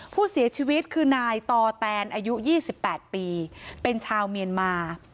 ผู้เสียชีวิตคือนายต่อแตนอายุ๒๘ปีเป็นชาวเมียนมา